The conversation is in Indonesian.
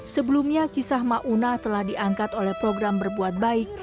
sebelumnya kisah mauna telah diangkat oleh program berbuat baik